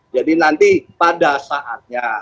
jadi nanti pada saatnya